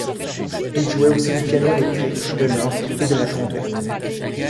Il jouait aussi du piano électrique, de l'orgue et de la trompette.